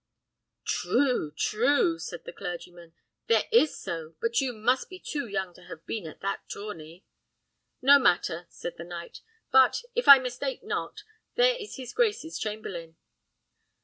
"True, true!" said the clergyman. "There is so; but you must be too young to have been at that tourney." "No matter," said the knight; "but, if I mistake not, here is his grace's chamberlain."